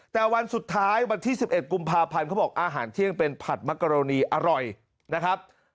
แต่วันสุดท้ายวันที่๑๑กุมภาพันธ์เขาบอกอาหารเที่ยงเป็นผัดมกรณีอร่อยนะครับ